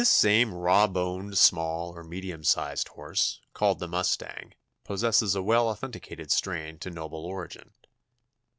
This same raw boned, small, or medium sized horse, called the mustang, possesses a well authenticated claim to noble origin.